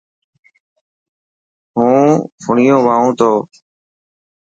هون فڻنيون وائون تو.